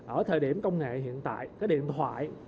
ở thời điểm công nghệ hiện tại cái điện thoại